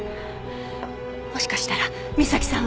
もしかしたらみさきさんは！